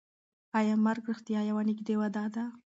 ایا مرګ رښتیا یوه نږدې وعده ده؟